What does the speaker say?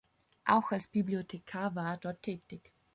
Auch als Bibliothekar war er dort tätig.